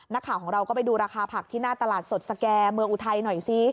นักข่าวของเราก็ไปดูราคาผักที่หน้าตลาดสดสแก่เมืองอุทัยหน่อยซิ